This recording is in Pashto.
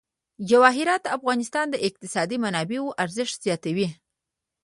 جواهرات د افغانستان د اقتصادي منابعو ارزښت زیاتوي.